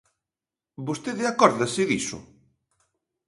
¿Vostede acórdase diso?